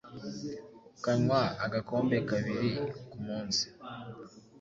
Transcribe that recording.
ukanywa agakombe kabiri ku munsi